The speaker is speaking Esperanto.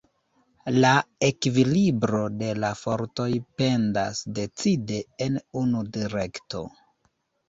La ekvilibro de la fortoj pendas decide en unu direkto.